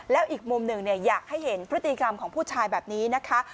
แล้วอีกมุมหนึ่งอยากให้เห็นพฤติกรรมของผู้ชายแบบนี้นะคะ